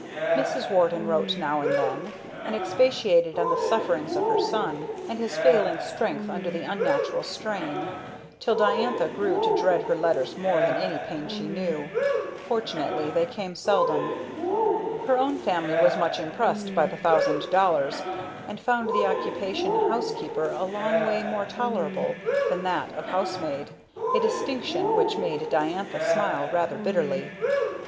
Mrs. Warden wrote now and then and expatiated on the sufferings of her son, and his failing strength under the unnatural strain, till Diantha grew to dread her letters more than any pain she knew. Fortunately they came seldom. Her own family was much impressed by the thousand dollars, and found the occupation of housekeeper a long way more tolerable than that of house maid, a distinction which made Diantha smile rather bitterly.